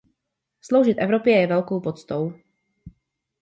Sloužit Evropě je velkou poctou.